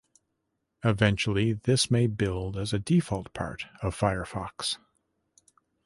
Eventually, this may build as a default part of Firefox.